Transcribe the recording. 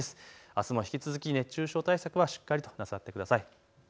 あすも引き続き熱中症対策はしっかりとなさってください。